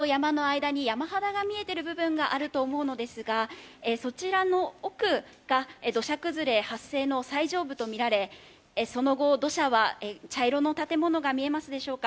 山と山の間に山肌が見えている部分があると思うのですが、そちらの奥が土砂崩れ発生の最上部とみられ、その後、土砂は茶色の建物が見えますでしょうか。